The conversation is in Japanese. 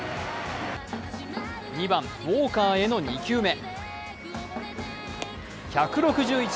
２番・ウォーカーへの２球目。